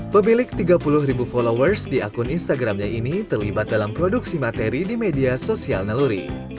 pemilik tiga puluh ribu followers di akun instagramnya ini terlibat dalam produksi materi di media sosial naluri